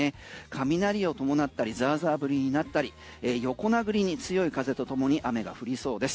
雷を伴ったりザーザー降りになったり横殴りに強い風とともに雨が降りそうです。